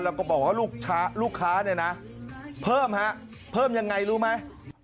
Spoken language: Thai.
แล้วก็บอกว่าลูกค้าเนี่ยนะเพิ่มฮะเพิ่มยังไงรู้ไหม